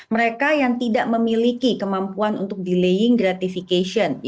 mereka yang tidak memiliki kemampuan untuk delaying gratification